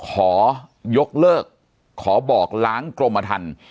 ขอยกเลิกขอบอกล้างกรมทัน